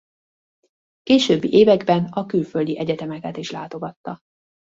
Későbbi években a külföldi egyetemeket is látogatta.